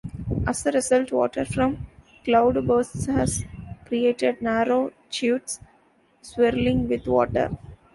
As a result, water from cloudbursts has created narrow chutes swirling with water.